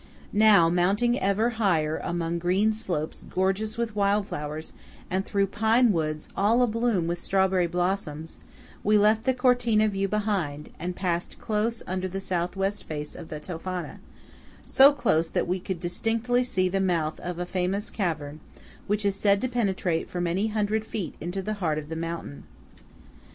Now, mounting ever higher among green slopes gorgeous with wild flowers, and through pine woods all abloom with strawberry blossoms, we left the Cortina view behind, and passed close under the southwest face of the Tofana–so close that we could distinctly see the mouth of a famous cavern which is said to penetrate for many hundred feet into the heart of the mountain.